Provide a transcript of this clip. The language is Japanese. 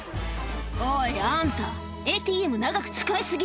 「おいあんたＡＴＭ長く使い過ぎ」